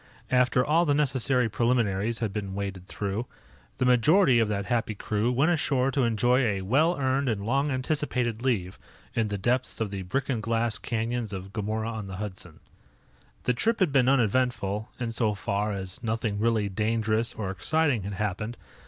After all the necessary preliminaries had been waded through, the majority of that happy crew went ashore to enjoy a well earned and long anticipated leave in the depths of the brick and glass canyons of Gomorrah on the Hudson. The trip had been uneventful, in so far as nothing really dangerous or exciting had happened.